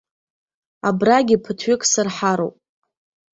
Абрагьы ԥыҭҩык сырҳароуп!